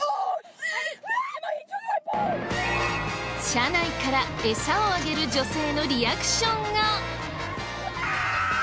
車内からエサをあげる女性のリアクションが。